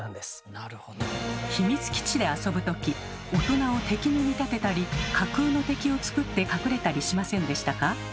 秘密基地で遊ぶ時大人を敵に見立てたり架空の敵をつくって隠れたりしませんでしたか？